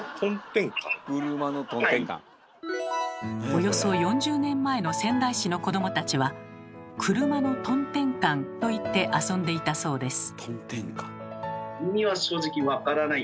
およそ４０年前の仙台市の子どもたちは「くるまのとんてんかん」と言って遊んでいたそうです。